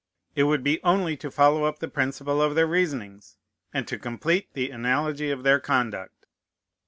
It would be only to follow up the principle of their reasonings, and to complete the analogy of their conduct.